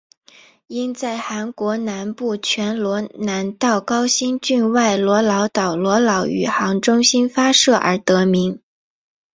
因在韩国南部全罗南道高兴郡外罗老岛罗老宇航中心发射而得名。